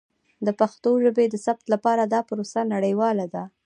د پښتو ژبې د ثبت لپاره دا پروسه نړیواله ده.